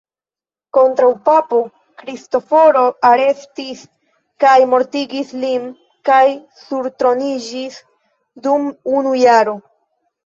Kontraŭpapo Kristoforo arestis kaj mortigis lin kaj surtroniĝis dum unu jaro.